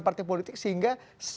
partai politik sehingga